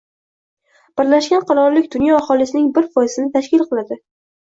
Birlashgan Qirollik dunyo aholisining bir foizini tashkil qiladi